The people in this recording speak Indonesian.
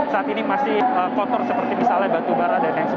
saat ini masih kotor seperti misalnya batubara dan lain sebagainya